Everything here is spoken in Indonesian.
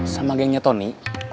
sama gengnya tony